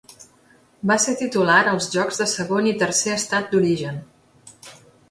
Va ser titular als jocs de segon i tercer estat d'origen.